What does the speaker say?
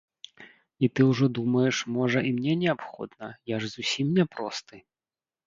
І ты ўжо думаеш, можа, і мне неабходна, я ж зусім няпросты?